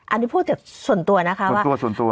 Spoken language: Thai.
อันนี้พูดแต่ส่วนตัวนะคะว่า